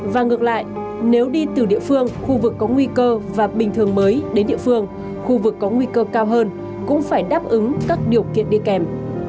và ngược lại nếu đi từ địa phương khu vực có nguy cơ và bình thường mới đến địa phương khu vực có nguy cơ cao hơn cũng phải đáp ứng các điều kiện đi kèm